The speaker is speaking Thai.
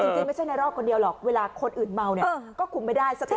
จริงไม่ใช่นายรอกคนเดียวหรอกเวลาคนอื่นเมาก็คุมไปได้